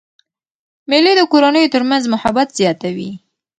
مېلې د کورنیو تر منځ محبت زیاتوي.